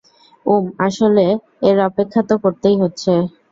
উম, আসলে, এর অপেক্ষা তো করতেই হচ্ছে।